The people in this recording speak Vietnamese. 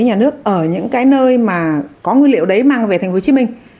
nhà nước ở những cái nơi mà có nguyên liệu đấy mang về thành phố hồ chí minh